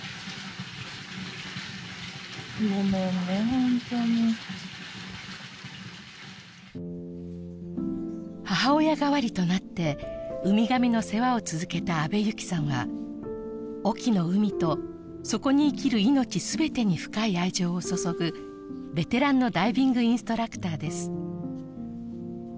ほんとに母親代わりとなってウミガメの世話を続けた安部由起さんは隠岐の海とそこに生きる命すべてに深い愛情を注ぐベテランのダイビングインストラクターです